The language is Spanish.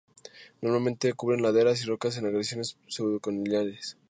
Normalmente, cubren laderas y rocas, en agregaciones pseudo-coloniales.